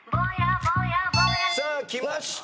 さあきました